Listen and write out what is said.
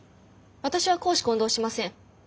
私は公私混同しません。